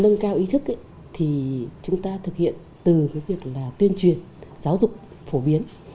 nâng cao ý thức thì chúng ta thực hiện từ cái việc là tuyên truyền giáo dục phổ biến